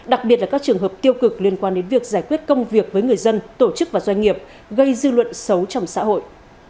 đặc biệt là các trường hợp tiêu cực liên quan đến việc giải quyết công việc với người dân tổ chức và doanh nghiệp gây dư luận xấu trong xã hội